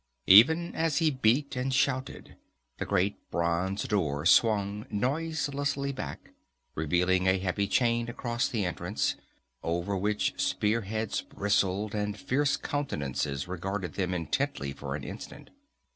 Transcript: Even as he beat and shouted, the great bronze door swung noiselessly back, revealing a heavy chain across the entrance, over which spear heads bristled and fierce countenances regarded them intently for an instant.